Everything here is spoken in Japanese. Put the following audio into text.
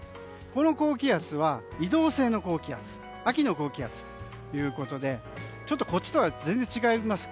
この高気圧は移動性の高気圧秋の高気圧ということでちょっと夏の高気圧とは全然違います。